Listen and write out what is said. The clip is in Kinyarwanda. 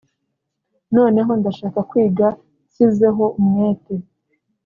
Noneho ndashaka kwiga nshyizeho umwete